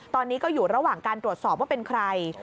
ตอนนี้ก็อยู่ระหว่างการตรวจสอบว่าเป็นใคร